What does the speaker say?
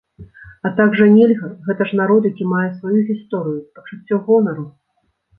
А так жа нельга, гэта ж народ, які мае сваю гісторыю, пачуццё гонару.